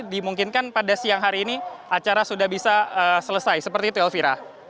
dimungkinkan pada siang hari ini acara sudah bisa selesai seperti itu elvira